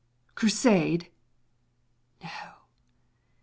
Crusade? No!